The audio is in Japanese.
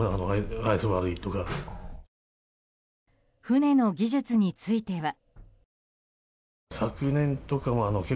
船の技術については。